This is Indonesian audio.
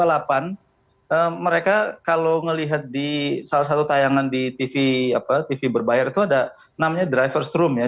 setelah balapan mereka kalau melihat di salah satu tayangan di tv berbayar itu ada namanya driver's room ya